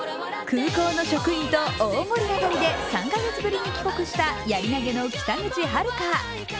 空港の職員と大盛り上がりで３か月ぶりに帰国したやり投げの北口榛花。